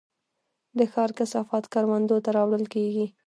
د ښار کثافات کروندو ته راوړل کیږي؟